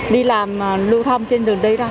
đi làm lưu thông trên đường đi ra